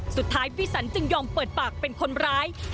สุดท้ายวิสันจึงยอมเปิดปากเป็นคนร้าย